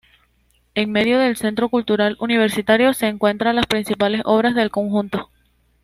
En medio del Centro Cultural Universitario se encuentra las principales obras del conjunto.